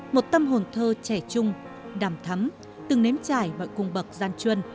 một tâm hồn thơ trẻ trung đàm thắm từng nếm trải mọi cung bậc gian chuân